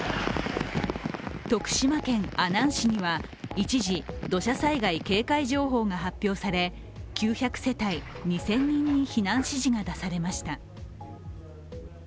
徳島県阿南市には一時、土砂災害警戒情報が発表され９００世帯、２０００人に避難指示が出されました。